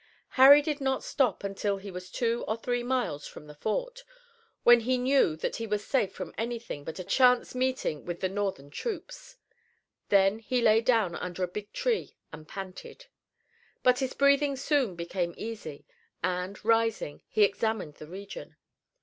Harry did not stop until he was two or three miles from the fort, when he knew that he was safe from anything but a chance meeting with the Northern troops. Then he lay down under a big tree and panted. But his breathing soon became easy, and, rising, he examined the region.